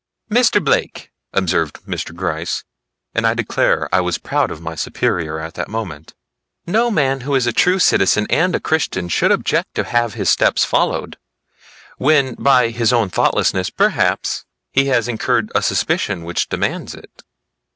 "Mr. Blake," observed Mr. Gryce, and I declare I was proud of my superior at that moment, "no man who is a true citizen and a Christian should object to have his steps followed, when by his own thoughtlessness, perhaps, he has incurred a suspicion which demands it."